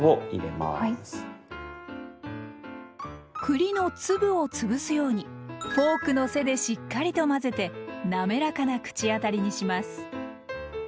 栗の粒をつぶすようにフォークの背でしっかりと混ぜてなめらかな口当たりにします。